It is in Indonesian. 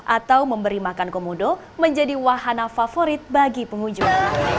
atau memberi makan komodo menjadi wahana favorit bagi pengunjung